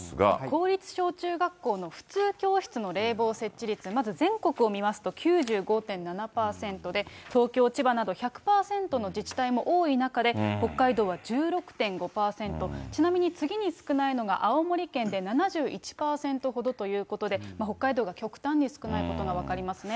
公立小・中学校の普通教室の冷房設置率、まず全国を見ますと、９５．７％で、東京、千葉など１００％の自治体も多い中で、北海道は１６．５％、ちなみに次に少ないのが、青森県で７１％ほどということで、北海道が極端に少ないことが分かりますね。